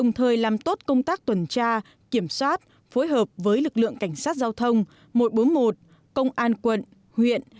kiểm tra kiểm soát phối hợp với lực lượng cảnh sát giao thông một trăm bốn mươi một công an quận huyện